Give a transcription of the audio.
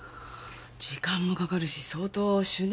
時間もかかるし相当執念